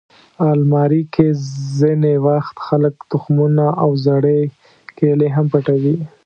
الماري کې ځینې وخت خلک تخمونه او زړې کیلې هم پټوي